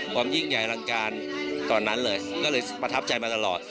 ความยิ่งใหญ่อลังการตอนนั้นเลยก็เลยประทับใจมาตลอด